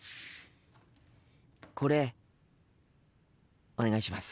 これお願いします。